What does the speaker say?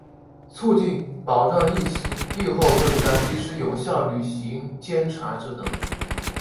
促进、保障疫期、疫后更加及时有效履行检察职能